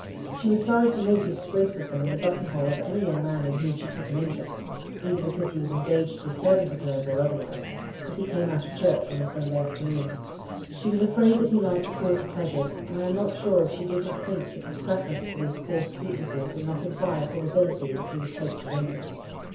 She was sorry to notice sprigs of them in the button hole of any young man in whom she took an interest, either because he was engaged to a servant of hers or otherwise, as he came out of church on a Sunday afternoon. She was afraid that he liked coarse pleasures; and I am not sure if she did not think that his preference for these coarse sweetnesses did not imply a probability that he would take to drinking.